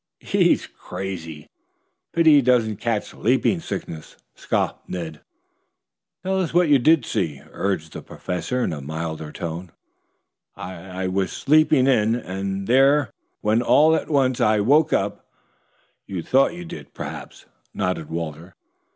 "He's crazy. Pity he doesn't catch sleeping sickness," scoffed Ned. "Tell us what you did see," urged the Professor in a milder tone. "I I was sleeping in in there when all at once I woke up " "You thought you did, perhaps," nodded Walter.